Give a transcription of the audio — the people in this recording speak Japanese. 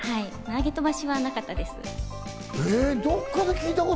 投げ飛ばしはなかったです。